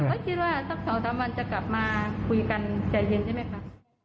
ก็คิดว่าสัก๒๓วันจะกลับมาคุยกันใจเย็นใช่ไหมคะ